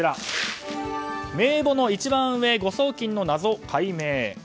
名簿の一番上、誤送金の謎解明。